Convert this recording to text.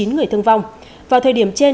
chín người thương vong vào thời điểm trên